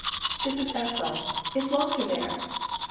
This is Ethel. Is Walter there?"